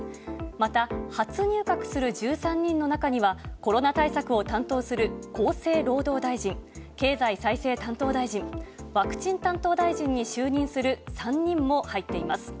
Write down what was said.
また初入閣する１３人の中には、コロナ対策を担当する厚生労働大臣、経済再生担当大臣、ワクチン担当大臣に就任する３人も入っています。